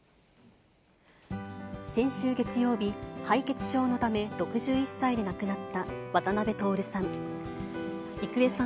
先週月曜日、敗血症のため６１歳で亡くなった渡辺徹さん。